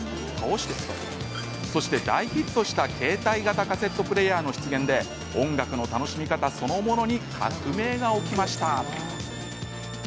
そして大ヒットした携帯型カセットプレーヤーの出現で音楽の楽しみ方そのものに革命が起きました。